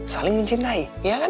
saling mencintai iya kan